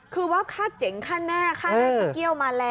คือว่าค่าเจ๋งค่าแน่ค่านายพระเกี้ยวมาแล้ว